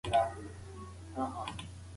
د عادي لید پر مهال، حجرې باید یوځای فعالیت وکړي.